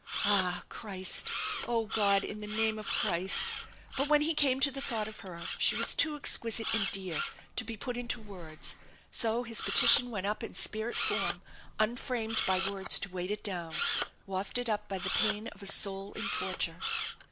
Ah! Christ! "Oh, God, in the name of Christ " But when he came to the thought of her she was too exquisite and dear to be put into words, so his petition went up in spirit form, unframed by words to weight it down, wafted up by the pain of a soul in torture.